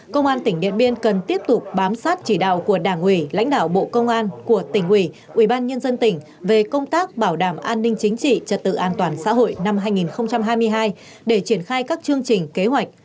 công an tỉnh điện biên cần tiếp tục bám sát chỉ đạo của đảng ủy lãnh đạo bộ công an của tỉnh ủy ủy ban nhân dân tỉnh về công tác bảo đảm an ninh chính trị trật tự an toàn xã hội năm hai nghìn hai mươi hai để triển khai các chương trình kế hoạch